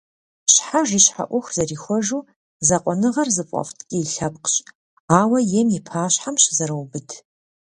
Щхьэж и щхьэ Ӏуэху зэрихуэжу, закъуэныгъэр зыфӀэфӀ ткӀий лъэпкъщ, ауэ ем и пащхьэм щызэроубыд.